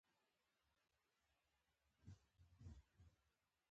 پښتو مو مورنۍ ژبه ده مونږ ذده کــــــــړې نۀ ده